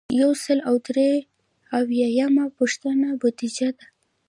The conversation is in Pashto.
یو سل او درې اویایمه پوښتنه بودیجه ده.